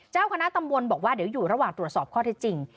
เจ้าคณะตำบลบอกว่าเดี๋ยวอยู่ระหว่างตรวจสอบข้อเท็จจริง